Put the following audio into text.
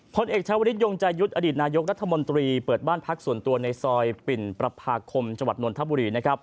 พลเอกชาวริสยงใจยุทธ์อดีตนายกรัฐมนตรีเปิดบ้านพักส่วนตัวในซอยปิ่นประพาคมจังหวัดนนทบุรี